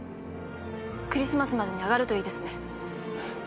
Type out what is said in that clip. クリスマスまでにあがるといいですね。